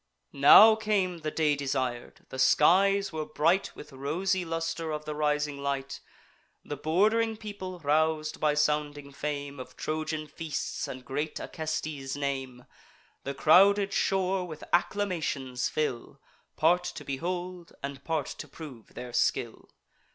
Now came the day desir'd. The skies were bright With rosy luster of the rising light: The bord'ring people, rous'd by sounding fame Of Trojan feasts and great Acestes' name, The crowded shore with acclamations fill, Part to behold, and part to prove their skill.